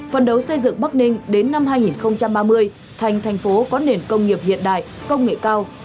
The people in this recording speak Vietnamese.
phần đầu xây dựng bắc ninh đến năm hai nghìn ba mươi thành thành phố có nền công nghiệp hiện đại công nghệ cao